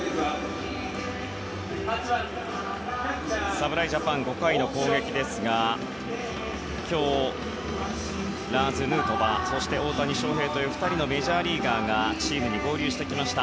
侍ジャパン５回の攻撃ですが今日、ラーズ・ヌートバーそして大谷翔平という２人のメジャーリーガーがチームに合流してきました。